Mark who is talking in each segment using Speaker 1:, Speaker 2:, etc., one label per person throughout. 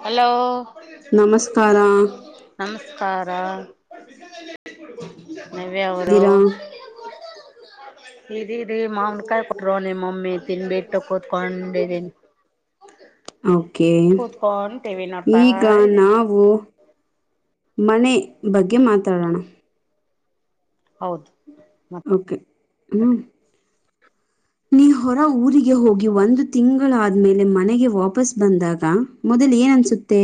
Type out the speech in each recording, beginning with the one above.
Speaker 1: Hello
Speaker 2: ನಮಸ್ಕಾರ
Speaker 1: ನಮಸ್ಕಾರ ನವ್ಯವರು
Speaker 2: ಇದ್ದೀರಾ
Speaker 1: ಇದಿದಿ ಮಾವನ್ ಕಾಯಿ ಕೊಟ್ರೋ ನಿಮ್ಮಮ್ಮಿ ತಿನ್ಬಿಟ್ಟು ಕೂತ್ಕೊಂಡಿದೀನಿ
Speaker 2: ಓಕೆ
Speaker 1: ಕೂತ್ಕೊಂಡ್ ಟಿವಿ ನೋಡ್ತಾ
Speaker 2: ಈಗ
Speaker 1: ಇದ್ದೀನಿ
Speaker 2: ನಾವು ಮನೆ ಬಗ್ಗೆ ಮಾತಾಡಣ
Speaker 1: ಓಕೆ
Speaker 2: ಓಕೆ ಹ್ಞ ನೀ ಹೊರ ಊರಿಗೆ ಹೋಗಿ ಒಂದು ತಿಂಗಳಾದ್ಮೇಲೆ ಮನೆಗೆ ವಾಪಸ್ ಬಂದಾಗ ಮೊದಲ್ ಏನನ್ಸು ತ್ತೇ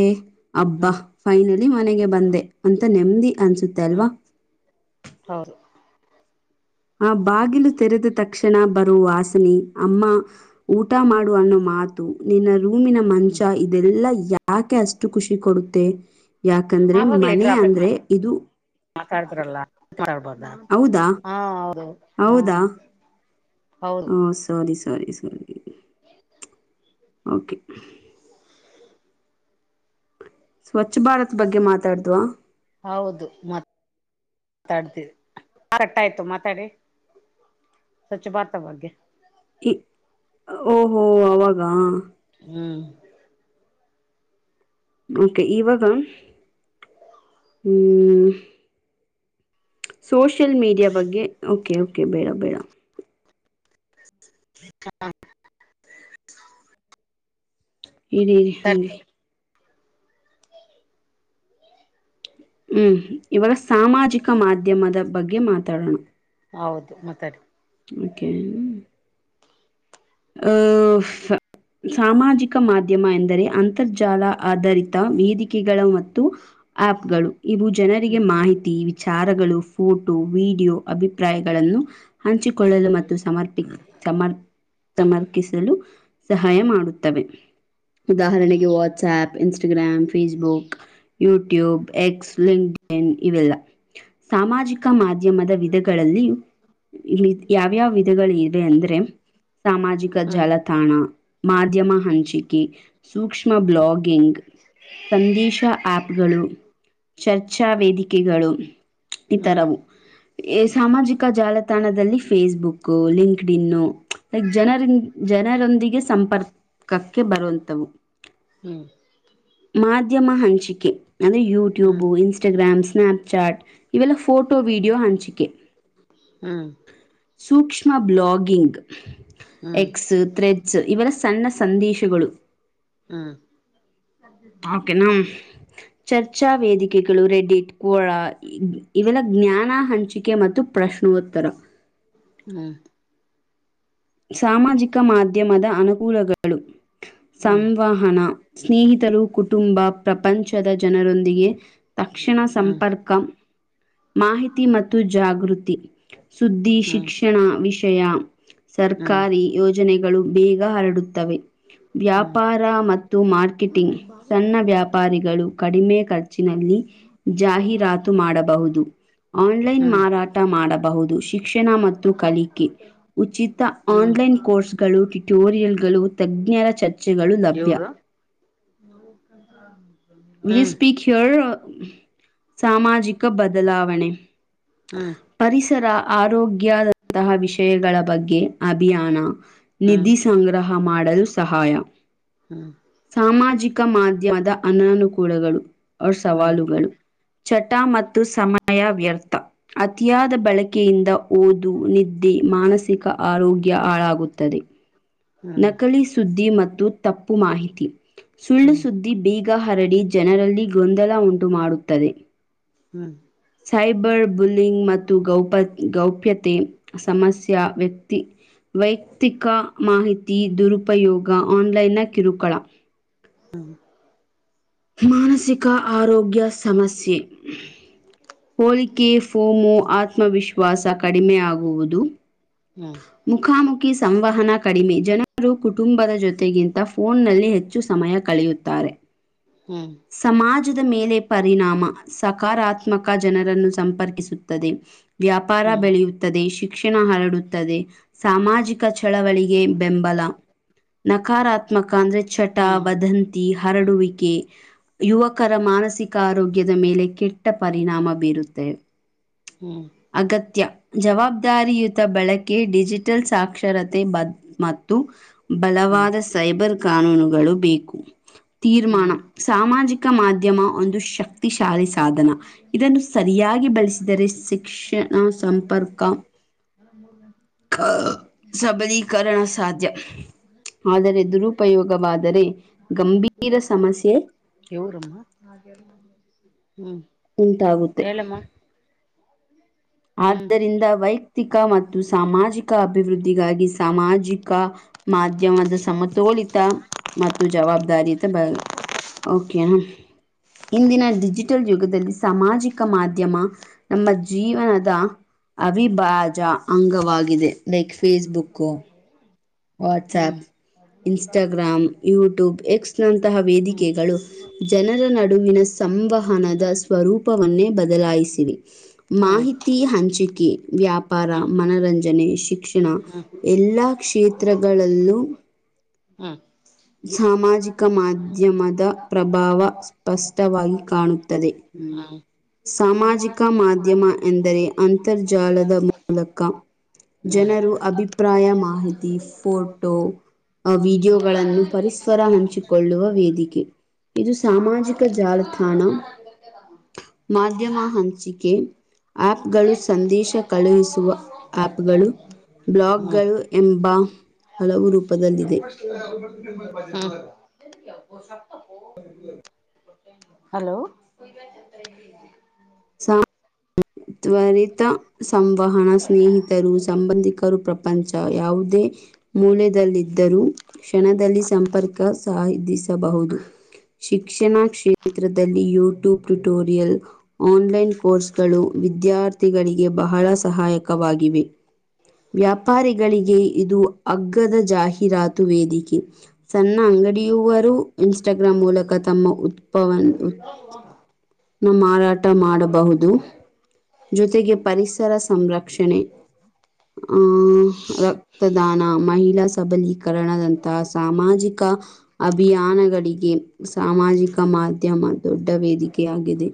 Speaker 2: ಅಬ್ಬಾ
Speaker 1: ಹ್ಮ್
Speaker 2: ಫೈನಲಿ ಮನೆಗೆ ಬಂದೆ ಅಂತ ನೆಮ್ಮದಿ ಅನ್ಸುತ್ತೆ
Speaker 1: ಹ್ಮ್
Speaker 2: ಅಲ್ವಾ
Speaker 1: ಹೌದು
Speaker 2: ಆ ಬಾಗಿಲು ತೆರೆದ ತಕ್ಷಣ ಬರುವ ವಾಸನಿ ಅಮ್ಮ ಊಟ ಮಾಡು ಅನ್ನೋ ಮಾತು ನಿನ್ನ ರೂಮಿನ ಮಂಚ ಇ ದೆಲ್ಲಾ ಯಾಕೆ ಅಷ್ಟು ಖುಷಿ ಕೊಡುತ್ತೆ ಯಾಕಂದ್ರೆ ಮನೆ ಅಂದ್ರೆ ಇದು
Speaker 1: ಮಾತಾಡ್ತಿರಲ್ಲ ಮಾತಾಡ್ಬರ್ದಾ
Speaker 2: ಹೌದಾ
Speaker 1: ಹಾ ಹೌದು ಹಾ
Speaker 2: ಹೌದಾ
Speaker 1: ಹೌದು
Speaker 2: ಸರಿ ಸರಿ ಸರಿ ಓಕೆ ಸ್ವಚ್ಛ ಭಾರತ್ ಬಗ್ಗೆ ಮಾತಾಡ್ದ್ವಾ
Speaker 1: ಹೌದು ಮಾತ್ [unintelligible] ಆಯ್ತು ಮಾತಾಡಿ ಸ್ವಚ್ಛ ಭಾರತಬ್ಗೆ
Speaker 2: ಈ ಓಹೋ ಅವಾಗ
Speaker 1: ಹ್ಮ್
Speaker 2: ಓಕೆ ಇವಾಗ ಹ್ಮ್ ಸೋಷಿಯಲ್ ಮೀಡಿಯಾ ಬಗ್ಗೆ ಓಕೆ ಓಕೆ ಬೇಡ ಬೇಡ
Speaker 1: [inaudible]
Speaker 2: ಇರಿ ಹಾಂಗೆ ಹ್ಮ್ ಇವಗ ಸಾಮಾಜಿಕ ಮಾಧ್ಯಮದ ಬಗ್ಗೆ ಮಾತಾಡೋಣ
Speaker 1: ಹೌದು ಮಾತಾಡಿ
Speaker 2: ಓಕೆ [inaudible] ಸಾಮಾಜಿಕ ಮಾಧ್ಯಮ ಎಂದರೆ ಅಂತರ್ಜಾಲ ಆಧಾರಿತ ವೇದಿಕೆಗಳ ಮತ್ತು ಆಪ್ ಗಳು ಇವು ಜನರಿಗೆ
Speaker 1: ಹ್ಮ್
Speaker 2: ಮಾಹಿತಿ ವಿ ಚಾರಗಳು ಫೋಟೋ ವಿಡಿಯೋ ಅಭಿಪ್ರಾಯಗಳನ್ನು ಹಂಚಿಕೊಳ್ಳಲು ಮತ್ತು ಸಮರ್ಪ ಸಮರ್ ಸಮರ್ಪಿಸಲು ಸಹಾಯ ಮಾಡುತ್ತವೆ ಉದಾಹರಣಕ್ಕೆ WhatsApp Instagram Facebook YouTube X LinkedIn ಇವೆಲ್ಲ ಸಾಮಾಜಿಕ ಮಾಧ್ಯಮದ ವಿಧಗಳಲ್ಲಿಯೂ ್ ಯಾವ್ಯಾವ ವಿಧಗಳು ಇವೆ ಅಂದ್ರೆ ಸಾಮಾಜಿಕ
Speaker 1: ಹ್ಮ್
Speaker 2: ಜಾಲತಾಣ ಮಾಧ್ಯಮ ಹಂಚಿಕೆ ಸೂಕ್ಷ್ಮ ಬ್ಲಾಗಿಂಗ್ ಸಂದೇಶ ಆಪ್ಗಳು ಚರ್ಚಾ ವೇದಿಕೆಗಳು
Speaker 1: ಹ್ಮ್
Speaker 2: ಈಥರವು ಸಾಮಾಜಿಕ ಜಾಲತಾಣದಲ್ಲಿ ಫೇಸ್ಬುಕಲಿಂಕ್ಡ್ ಇನ್ನು ಲೈಕ್ ಜನರಿಂದ ಜನರೊಂದಿಗೆ ಸಂಪರ್ಕಕ್ಕೆ ಬರುವಂಥವು
Speaker 1: ಹ್ಮ್
Speaker 2: ಮಾಧ್ಯಮ ಹಂಚಿಕೆ ಅಂದರೆ
Speaker 1: ಹ್ಮ್
Speaker 2: ಯೂಟ್ಯೂಬು ಇನ್ಸ್ಟಾಗ್ರಾಮ್ ಸ್ನ್ಯಪ್ಚಾಟ್ ಇವಲ್ಲ ಫೋಟೋ ವೀಡಿಯೋ ಹಂಚಿಕೆ
Speaker 1: ಹ್ಮ
Speaker 2: ಸೂಕ್ಷ್ಮ ಬ್ಲಗಿಂಗ್
Speaker 1: ಹ್ಮ್
Speaker 2: ಎಕ್ಸ್ ಥ್ರೆಜ ಇವರ ಸಣ್ಣ ಸಂದೇಶಗಳು
Speaker 1: ಹ್ಮ್
Speaker 2: ೆನಾ ಚರ್ಚಾ ವೇದಿಕೆಗಳು ರೆಡಿಟ್ ಕೋಳ ಇವೆಲ್ಲ ಜ್ಞಾನ ಹಂಚಿಕೆ ಮತ್ತು ಪ್ರಶ್ನೋತ್ತರ
Speaker 1: ಹಾ
Speaker 2: ಸಾಮಾಜಿಕ ಮಾಧ್ಯಮದ ಅನುಕೂಲಗಳು
Speaker 1: ಹ್ಮ್
Speaker 2: ಸಂವಾಹ ಹಣ ಸ್ನೇಹಿತರು ಕುಟುಂಬ ಪ್ರಪಂಚದ ಜನರೊಂದಿಗೆ ತಕ್ಷಣ
Speaker 1: ಹ್ಮ್
Speaker 2: ಸಂಪರ್ಕ ಮಾಹಿತಿ ಮತ್ತು ಜಾಗೃತಿ
Speaker 1: ಹ್ಮ್
Speaker 2: ಸುದ್ದಿಶಿಕ್ಷಣ ವಿಷಯ
Speaker 1: ಹ್ಮ್
Speaker 2: ಸರ್ಕಾರಿ ಯೋಜನೆಗಳು ಬೇಗ ಹರಡುತ್ತವೆ
Speaker 1: ಹ್ಮ್
Speaker 2: ವ್ಯಾಪಾರ ಮತ್ತು ಮತ್ತು ಮಾರ್ಕೆಟಿಂಗ್ ಸಣ್ಣ ವ್ಯಾಪಾರಿಗಳು ಕಡಿಮೆ ಖರ್ಚಿನಲ್ಲಿ ಜಾಹೀರಾತು ಮಾಡಬಹುದು ಆನ್ಲೈನ್
Speaker 1: ಹ್ಮ್
Speaker 2: ಮಾರಾಟ ಮಾಡಬಹುದು ಶಿಕ್ಷಣ ಮತ್ತು ಕಲಿಕೆ ಉಚಿತ
Speaker 1: ಹ್ಮ್
Speaker 2: ಆನ್ಲೈನ್ ಕೋರ್ಸ್ಗಳು ಟ್ಯಿಟೋರಿಯಲ್ಗಳು ತಜ್ಞರ ಚರ್ಚೆಗಳು ಲಭ್ಯ
Speaker 1: ಇವರು
Speaker 2: ವಿಲ್
Speaker 1: ಹ್ಮ್
Speaker 2: ಸ್ಪೀಕ್ ಹರ್ ಸಾಮಾಜಿಕ ಬದಲಾವಣೆ
Speaker 1: ಹ್ಮ್
Speaker 2: ಪರಿಸರ ಆರೋಗ್ಯದಂತಹ ವಿಷಯಗಳ ಬಗ್ಗೆ ಅಭಿಯಾನ
Speaker 1: ಹ್ಮ್
Speaker 2: ನಿಧಿ ಸಂಗ್ರಹ ಮಾಡಲು ಸಹಾಯ
Speaker 1: ಹ್ಮ್ ಹ್ಮ್
Speaker 2: ಸಾಮಾಜಿಕ ಮಾಧ್ಯಮದ ಅನಾನಕೂಲಗಳು ಅವರ್
Speaker 1: ಹ್ಮ್
Speaker 2: ಸವಾಲುಗಳು ಚಟ ಮತ್ತು ಸಮಯ ವ್ಯರ್ಥ ಅತಿಯಾದ ಬಳಕೆಯಿಂದ ಓದು ನಿದ್ದೆ ಮಾನಸಿಕ ಆರೋಗ್ಯ ಹಾಳಾಗುತ್ತದೆ
Speaker 1: ಹ್ಮ್ ಹ್ಮ್ ಹ್ಮ್ ಹ್ಮ್
Speaker 2: ನಕಲಿ ಸುದ್ದಿ ಮತ್ತು ತಪ್ಪು ಮಾಹಿತಿ ಸುಳ್ಳು
Speaker 1: ಹ್ಮ್
Speaker 2: ಸುದ್ದಿ ಬೀಗ ಹರಡಿ ಜನರಲ್ಲಿ ಗೊಂದಲ ಉಂಟುಮಾುತ್ತದೆ
Speaker 1: ಹ್ಮ್
Speaker 2: ಸೈಬರ್ ಬುಲ್ಲಿಂಗ್ ಮತ್ತು ಗೌಪ್ಯ ಗೌಪ್ಯತೆ ಸಮಸ್ಯ ವ್ಯಕ್ತಿ ವೈಯಕ್ತಿಕ ಮಾಹಿತಿ ದುರುಪಯೋಗ ಆನ್ಲೈನ್ ಕಿರುಕುಳ ಮಾನಸಿಕ ಆರೋಗ್ಯ ಸಮಸ್ಯೆ ಹೋಲಿಕೆ ಫೋಮೋ ಆತ್ಮವಿಶ್ವಾಸ ಕಡಿಮೆ ಆಗುವುದು
Speaker 1: ಹ್ಮ್
Speaker 2: ಮುಖಾಮುಖಿ ಸಂವಹನ ಕಡಿಮೆ ಜನರು ಕುಟುಂಬದ ಜೊತೆಗಿಂತ ಫೋನ್ನ ನಲ್ಲಿ ಹೆಚ್ಚ ಹೆಚ್ಚು ಸಮಯ ಕಳೆಯುತ್ತಾರೆ
Speaker 1: ಹ್ಮ್
Speaker 2: ಸಮಾಜದ ಮೇಲೆ ಪರಿಣಾಮ ಸಕಾರಾತ್ಮಕ ಜನರನ್ನು ಸಂಪರ್ಕಿಸುತ್ತದೆ ವ್ಯಾಪಾರ ಬೆಳೆಯ ಶಿಕ್ಷಣ ಹರಡುತ್ತದೆ ಸಾಮಾಜಿಕ ಚಳವಳಿಗೆ ಬೆಂಬಲ ನಕಾರಾತ್ಮಕ ನೃಚ್ಚಟ ವದಂತಿ ಹರಡುವಿಕೆ ಯುವಕರ ಮಾನಸಿಕ ಆರೋಗ್ಯದ ಮೇಲೆ ಕೆಟ್ಟ ಪರಿಣಾಮ ಬೀರುತ್ತೆ
Speaker 1: ಹ್ಮ್
Speaker 2: ಅಗತ್ಯ ಜವಾಬ್ದಾರಿಯುತ ಬಳಕೆ ಡಿಜಿಟಲ್ ಸಾಕ್ಷರತೆ ಬದ ಮತ್ತು ಬಲವಾದ ಸೈಬರ್ ಕಾನೂನುಗಳು ಬೇಕು
Speaker 1: ಹ್ಮ್
Speaker 2: ತೀರ್ಮಾನ ಸಾಮಾಜಿಕ ಮಾಧ್ಯಮ ಒಂದು ಶಕ್ತಿಶಾಲಿ ಸಾಧನ ಇದನ್ನು ಸರಿಯಾಗಿ ಬಳಸಿದರೆ ಶಿಕ್ಷಣ ಸಂಪರ್ಕ
Speaker 1: ನರ
Speaker 2: ಕ ಸಬಿಕರಣ ಸಾಧ್ಯ ಆದರೆ ದುರುಪಯೋಗವಾದರೆ ಗಂಭೀರ ಸಮಸ್ಯೆ
Speaker 1: ಯವರಮ್ಮ ಹ್ಮ್
Speaker 2: ಉಂಟಾಗುತ್ತೆ
Speaker 1: ಹೇಳಮ್ಮ ಹ್ಮ್
Speaker 2: ಆದ್ದರಿಂದ ವೈಯಕ್ತಿಕ ಮತ್ತು ಸಾಮಾಜಿಕ ಅಭಿವೃದ್ಧಿಗಾಗಿ ಸಾಮಾಜಿಕ ಮಾಧ್ಯಮದ ಸಮತೋಲಿತ ಮತ್ತು ಜವಾಬ್ದಾರಿಯಿತ ಬ ಓಕೆ ಇಂದಿನ ಡಿಜಿಟಲ್ ಯುಗದಲ್ಲಿ ಸಾಮಾಜಿಕ ಮಾಧ್ಯಮ ನಮ್ಮ ಜೀವನ ಅವಿಭಾಜ್ಯ ಅಂಗವಾಗಿದೆ like Facebook
Speaker 1: hmm
Speaker 2: WhatsApp Instagram YouTube X ನಂತಹ
Speaker 1: ಹ್ಮ್
Speaker 2: ವೇದಿಕೆಗಳು ಜನರ ನಡುವಿನ ಸಂವಹನದ
Speaker 1: ಹ್ಮ್ ಹ್ಮ್
Speaker 2: ಸ್ವರೂಪ ವನ್ನೇ ಬದಲಾಯಿಸಿರಿ
Speaker 1: ಹ್ಮ್
Speaker 2: ಮಾಹಿತಿ ಹಂಚಿಕೆ ವ್ಯಾಪ್ ವ್ಯಾಪಾರ ಮನರಂಜನೆ ಶಿಕ್ಷಣ
Speaker 1: ಹ್ಮ್ ಹ್ಮ್
Speaker 2: ಎಲ್ಲಾ ಕ್ಷೇತ್ರಗಳಲ್ಲೂ
Speaker 1: ಹ
Speaker 2: ಸಾಮಾಜಿಕ ಮಾಧ್ಯಮದ ಪ್ರಭಾವ ಸ್ಪಷ್ಟವಾಗಿ ಕಾಣುತ್ತದೆ ಹ್ಮ
Speaker 1: ಹ್ಮ್
Speaker 2: ಸಾಮಾಜಿಕ ಮಾಧ್ಯಮ ಎಂದರೆ ಅಂತರ್ಜಾಲದ ಮೂಲಕ ಜನರು ಅಭಿಪ್ರಾಯ ಮಾಹಿತಿ ಫೋಟೋ ಆ ವಿಡಿಯೋಗಳನ್ನು ಪರಿಸರ ಹಂಚಿಕೊಳ್ಳುವ ವೇದಿಕೆ ಇದು ಸಾಮಾಜಿಕ ಜಾಲತಾಣ ಮಾಧ್ಯಮ ಹಂಚಿಕೆ ಆಪ್ ಗಳು ಸಂದೇಶ ಕಳುಹಿಸಿ ಆಪ್ಗಳು
Speaker 1: ಹ್ಮ್
Speaker 2: ಬ್ಲಾಗ್ಗಳು ಎಂಬ ಹಲವು ರೂಪದಲ್ಲಿದೆ
Speaker 1: ಬ
Speaker 2: ಹ
Speaker 1: ಹಲೋ
Speaker 2: ತ್ವರಿತ ಸಂವಹಣ ಸ್ನೇಹಿತ ಸಂಬಂಧಿಕರು ಪ್ರಪಂಚ ಯಾವುದೇ ಮೂಲದಲ್ಲಿದ್ದರೂ ಕ್ಷಣದಲ್ಲಿ ಸಂಪರ್ಕ ಸಾಹಧಿಸಬಹುದು ಶಿಕ್ಷಣ ಕ್ಷೇತ್ರದಲ್ಲಿ ಯೂಟ್ಯೂಬ್ ಟ್ಯುಟೋರಿಯಲ್ ಆನ್ಲೈನ್ ಕೋರ್ಸ್ಗಳು ವಿದ್ಯಾರ್ಥಿಗಳಿಗೆ ಬಹಳ ಸಹಾಯಕವಾಗಿವೆ ವ್ಯಾಪಾರಿಗಳಿಗೆ ಇದು ಅಗ್ಗದ ಜಾಹೀರಾತು ವೇದಿಕೆ ಸಣ್ಣ ಅಂಗಡಿಯುವವರು ಇನ್ಸ್ಟಾಗ್ರಾಂ್ ಮೂಲಕ ತಮ್ಮ ಉತ್ಪವ ನ ಮಾರಾಟ ಊಟ ಮಾಡಬಹುದು ಜೊತೆಗೆ ಪರಿಸರ ಸಂರಕ್ಷಣೆ ಹ್ಮ ಅಲ್ಲ ತದಾನ ಮಹಿಳಾ ಸಬಲೀಕರಣದಂಹ ಸಾಮಾಜಿಕ ಅಭಿಯಾನಗಳಿಗೆ ಸಾಮಾಜಿಕ ಮಾಧ್ಯಮ ದೊಡ್ಡ ವೇದಿಕೆಯಾಗಿದೆ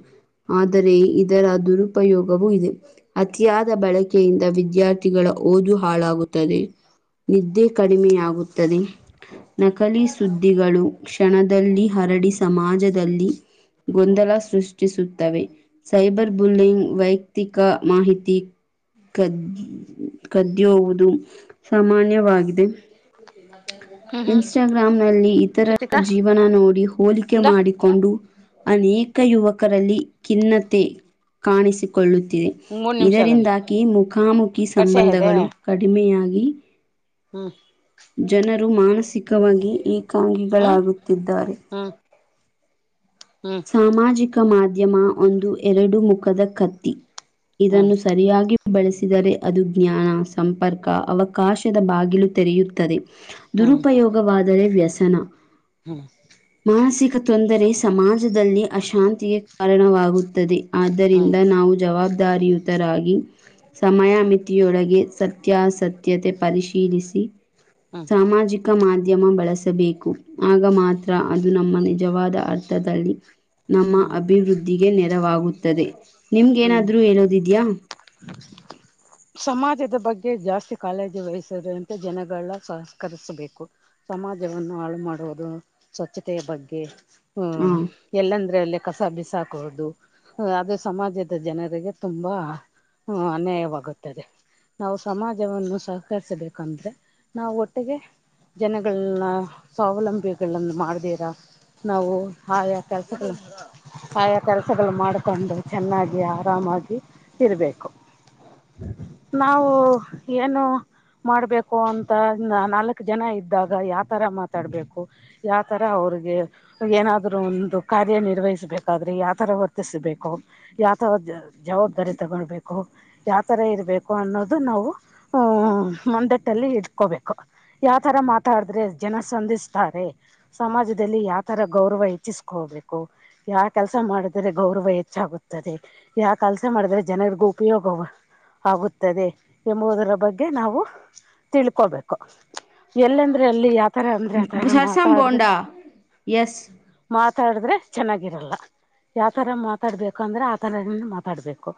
Speaker 2: ಆದರೆ ಇದರ ದುರುಪಯೋಗವೂ ಇದೆ ಅತಿಯಾದ ಬಳಕೆಯಿಂದ ವಿದ್ಯಾರ್ಥಿಗಳ ಓದು ಹಾಳಾಗುತ್ತದೆ ನಿದ್ದೆ ಕಡಿಮೆಯಾಗುತ್ತದೆ ನಕಲಿ ಸುದ್ದಿಗಳು ಕ್ಷಣದಲ್ಲಿ ಹರಡಿ ಸಮಾಜದಲ್ಲಿ ಗೊಂದಲ ಸೃಷ್ಟಿಸುತ್ತವೆ ಸೈಬರ್ ಬುಲ್ಲಿಂಗ್ ವೈಯಕ್ತಿಕ ಮಾಹಿತಿ ಕದ್ ಕದ್ದಿಯುವುದು ಸಾಮಾನ್ಯವಾಗಿದೆ
Speaker 1: ಹ್ಮ್ ಹ್ಮ್
Speaker 2: ಇನ್ಸ್ಟಾಗ್ರಂ ನಲ್ಲಿ ಇತರರ
Speaker 1: ಶ್ರುತಿಕಾ
Speaker 2: ಜೀವನ ನೋಡಿ ಹೋಲಿಕೆ
Speaker 1: ಇಂದ
Speaker 2: ಮಾಡಿ ಕೊಂಡು ಅನೇಕ ಯುವಕರಲ್ಲಿ ಖಿನ್ನತೆ ಕಾಣಿಸಿಕೊಳ್ಳುತ್ತಿದೆ
Speaker 1: ಮೂರು ನಿಮಿಷಲ್ಲಂದು
Speaker 2: ಇದರಿಂದಾಗಿ ಮುಖಾಮುಖಿ
Speaker 1: ಕಟ್ಸ ಇದೆ
Speaker 2: ಸಂಬಂಧಗಳು ಕಡಿಮೆಯಾಗಿ
Speaker 1: ಹ್ಮ್
Speaker 2: ಜನರು ಮಾನಸಿಕವಾಗಿ ಏಕಾಂಗಿಗಳಾಗುತ್ತಿದ್ದಾರೆ
Speaker 1: ಹಾ ಹ್ಮ
Speaker 2: ಸಾಮಾಜಿಕ ಮಾಧ್ಯಮ ಒಂದು ಎರಡು ಮುಖದ ಕತ್ತಿ
Speaker 1: ಹ್ಮ್ ಹ್ಮ್
Speaker 2: ಇದನ್ನು ಸರಿಯಾಗಿ ಬಳಸಿದರೆ ಅದು ಜ್ಞಾನ ಸಂಪರ್ಕ ಅವಕಾಶದ ಬಾಗಿಲು ತೆರೆಯುತ್ತದೆ
Speaker 1: ಹ್ಮ್
Speaker 2: ದುರುಪಯೋಗವಾದರೆ ವ್ಯಸನ
Speaker 1: ಹಾ
Speaker 2: ಮಾನಸಿಕ ತೊಂದರೆ ಸಮಾಜದಲ್ಲಿ ಅಶಾಂತಿಗೆ ಕಾರಣವಾಗುತ್ತದೆ ಆದ್ದರಿಂದ
Speaker 1: ಹ್ಮ್
Speaker 2: ನಾವು ಜವಾಬ್ದಾರಿಯುತರಾಗಿ ಸಮಯಮಿತಿಯೊಳಗೆ ಸತ್ಯಾಸತ್ಯತೆ ಪರಿಶೀಲಿಸಿ
Speaker 1: ಹಾ
Speaker 2: ಸಾಮಾಜಿಕ ಮಾಧ್ಯಮ ಬಳಸಬೇಕು ಆಗ ಮಾತ್ರ ಅದು ನಮ್ಮ ನಿಜವಾದ ಅರ್ಥದಲ್ಲಿ ನಮ್ಮ
Speaker 1: ಹ್ಮ್
Speaker 2: ಅಭಿವೃದ್ಧಿಗೆ ನೆರವಾಗುತ್ತದೆ
Speaker 1: ಹ್ಮ್
Speaker 2: ನಿಮ್ಗೇಏನಾದ್ರೂ ಹೇಳದಿದ್ಯಾಾ [unintelligible]
Speaker 1: ಸಮಾಜದ ಬಗ್ಗೆ ಜಾಸ್ತಿ ಕಾಳಜಿ ವಹಿಸ್ರ ಅಂತ ಜನಗಳನ್ನ ಸಹಸ್ಕರಿಸಬೇಕು ಸಮಾಜವನ್ನು ಹಾಳು ಮಾಡುವುದು ಸ್ವಚ್ಛತೆಯ ಬಗ್ಗೆ ಹ್ಮ
Speaker 2: ಹಾಂ.
Speaker 1: ಎಲ್ಲಂದ್ರೆ ಅಲ್ಲಿ ಕಸ ಬಿಸಾಕುವುದು ಅದು ಸಮಾಜದ ಜನರಿಗೆ ತುಂಬಾ ಅನ್ಯಾಯವಾಗುತ್ತದೆ ನಾವು ಸಮಾಜವನ್ನು ಸಹಕರಿಸಬೇಕಂದ್ರೆ ನಾವು ಒಟ್ಟಿಗೆ ಜನಗಳನ್ನ ಸ್ವಾವಲಂಬಿಗಳನ್ನು ಮಾಡ್ದಿರಾ ನಾವು ಆಯಾ ಕೆಲ್ಸಗಳು ಆಯಾ ಕೆಲ್ಸಗಳು ಮಾಡ್ಕೊಂಡು ಚೆನ್ನಾಗಿ ಆರಾಮಾಗಿ ಇರ್ಬೇಕು ನಾವು ಏನು ಮಾಡ್ಬೇಕು ಅಂತ ನಾಲ್ಕ್ ಜನ ಇದ್ದಾಗ ಯಾವತರ ಮಾತಾಡ್ಬೇಕು ಯಾವತರ ಅವ್ರಿಗೆ ಏನಾದ್ರು ಒಂದು ಕಾರ್ಯ ನಿರ್ವಹಿಸ್ಬೇಕಾದ್ರೆ ಯಾವತರ ವರ್ತಿಸಬೇಕು ಯಾತರ ಜವಾಬ್ದಾರಿ ತಗೊಳ್ಬೇಕು ಯಾವ ತರ ಇರ್ಬೇಕು ಅನ್ನೋದು ನಾವು ಹ್ ಮಂದಟ್ಟಲ್ಲಿ ಇಟ್ಕೋಬೇಕು ಯಾವ ತರ ಮಾತಾಡಿದ್ರೆ ಜನ ಸಂದಿಸ್ತಾರೆ ಸಮಾಜದಲ್ಲಿ ಯಾವ ತರ ಗೌರವ ಹೆಚ್ಚಿಸ್ಕೋಬೇಕು ಯಾವ ಕೆಲಸ ಮಾಡಿದ್ರೆ ಗೌರವ ಹೆಚ್ಚಾಗುತ್ತದೆ ಯಾವ ಕೆಲ್ಸ ಮಾಡಿದ್ರೆ ಜನರಿಗೂ ಉಪಯೋಗವ ಆಗುತ್ತದೆ ಎಂಬುದರ ಬಗ್ಗೆ ನಾವು ತಿಳ್ಕೋಬೇಕು ಎಲ್ಲಂದ್ರೆ ಎಲ್ಲಿ ಯತರ ಅಂದ್ರೆ ಆ ತರ
Speaker 2: ಸರ್ಸಮ್
Speaker 1: ಮಾತಾಡ್ದ
Speaker 2: ಬೋಂಡ? ಯಸ್.
Speaker 1: ಮಾತಾಡಿದ್ರೆ ಚೆನ್ನಾಗಿರಲ್ಲ ಯಾವತರ ಮಾತಾಡ್ಬೇಕ ಅಂದ್ರೆ ಥರದನ್ನು ಮಾತಾಡಬೇಕು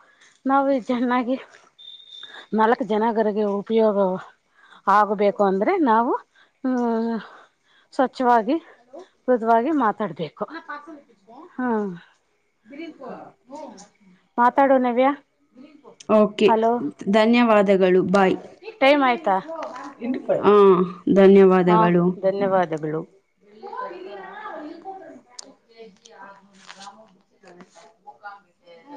Speaker 1: ನಾವು ಚೆನ್ನಾಗಿ ನಾಲ್ಕು ಜನಗರಿಗೆ ಉಪಯೋಗ ಆಗಬೇಕು ಅಂದ್ರೆ ನಾವು ಹ್ಮ್ ಸ್ವಚ್ಛವಾಗಿ ಮೃದುವವಾಗಿ ಮಾತಾಡ್ಬೇಕು ಹಾ ಮಾತಾಡುವ ನವ್ಯಾ
Speaker 2: ಓಕೆ.
Speaker 1: ಹಲೋ
Speaker 2: ಧನ್ಯವಾದಗಳು ಬಾಯ್
Speaker 1: ಟೈಮ್ ಆಯ್ತಾ
Speaker 2: ಹಾ
Speaker 1: ಹಾಂ
Speaker 2: ಧನ್ಯವಾದಗಳು
Speaker 1: ಧನ್ಯವಾದಗಳು